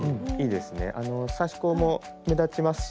あの刺し子も目立ちますしね。